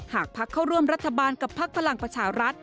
หากพักเข้าร่วมรัฐบาลกับพักพลังประชารัฐ